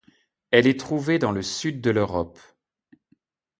Elle est trouvée dans le Sud de l'Europe.